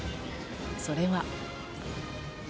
それは。